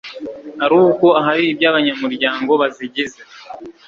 aruko hari iby abanyamuryango bazigize